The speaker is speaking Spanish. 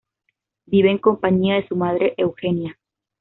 Vive en compañía de su madre Eugenia.